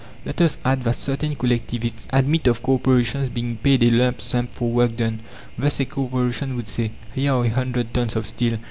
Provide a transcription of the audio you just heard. Let us add that certain collectivists admit of corporations being paid a lump sum for work done. Thus a corporation would say: "Here are a hundred tons of steel.